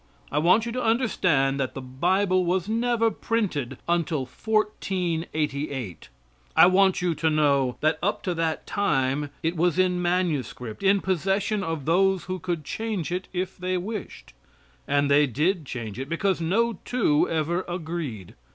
I want you to understand that the Bible was never printed until 1488. I want you to know that up to that time it was in manuscript, in possession of those who could change it if they wished; and they did change it, because no two ever agreed.